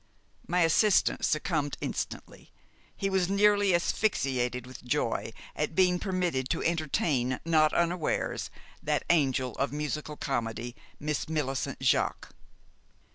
My assistant succumbed instantly. He was nearly asphyxiated with joy at being permitted to entertain, not unawares, that angel of musical comedy, Miss Millicent Jaques.